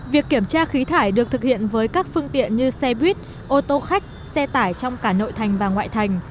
việc kiểm tra khí thải được thực hiện với các phương tiện như xe buýt ô tô khách xe tải trong cả nội thành và ngoại thành